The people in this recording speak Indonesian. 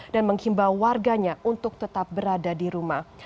dan menghimbau warganya untuk tetap berada di rumah